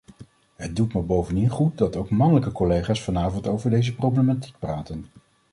Het doet me bovendien goed dat ook mannelijke collega's vanavond over deze problematiek praten.